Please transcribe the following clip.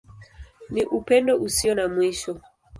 Ni Upendo Usio na Mwisho.